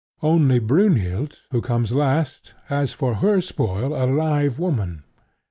Only, Brynhild, who comes last, has for her spoil a live woman.